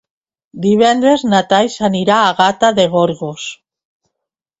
Divendres na Thaís anirà a Gata de Gorgos.